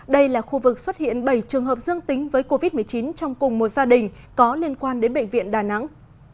đây là khu vực xuất hiện bảy trường hợp dương tính với covid một mươi chín trong cùng một gia đình có liên quan đến bệnh viện đà nẵng